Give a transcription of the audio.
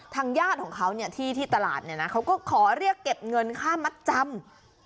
ญาติของเขาที่ตลาดเนี่ยนะเขาก็ขอเรียกเก็บเงินค่ามัดจำ